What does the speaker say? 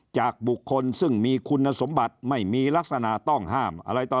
จากบุคคลใบมีคุณสมบัติไม่มีลักษณะต้องห้าม